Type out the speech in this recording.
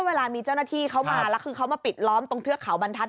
เวลามีเจ้าหน้าที่เขามาแล้วคือเขามาปิดล้อมตรงเทือกเขาบรรทัศ